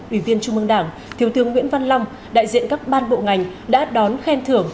ủy viên trung mương đảng thiếu tướng nguyễn văn long đại diện các ban bộ ngành đã đón khen thưởng